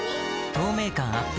透明感アップ